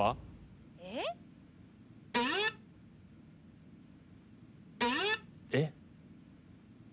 えっ？えっ？